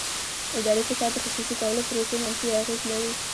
اداري فساد د خصوصي کولو پروسې منفي اغېز لري.